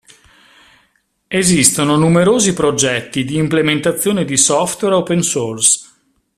Esistono numerosi progetti di implementazione di software open source.